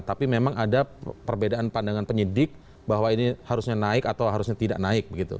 tapi memang ada perbedaan pandangan penyidik bahwa ini harusnya naik atau harusnya tidak naik begitu